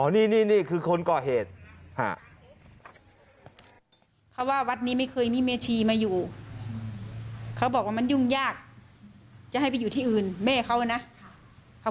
ที่อื่นแม่เขาน่ะค่ะเขาพูดอย่างงี้แหละอือแม่เขาคือ